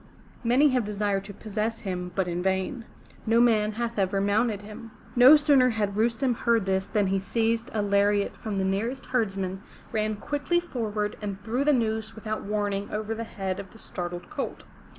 Many have desired to possess him, but in vain. No man hath ever mounted him.'' No sooner had Rustem heard this than he seized a lariat from the nearest herdsman, ran quickly forward, and threw the noose without warning over the head of the startled colt.